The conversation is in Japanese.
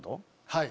はい。